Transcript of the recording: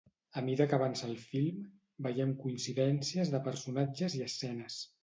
A mida que avança el film, veiem coincidències de personatges i escenes.